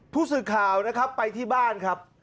ผู้สื่อข่าวนะครับไปที่บ้านครับ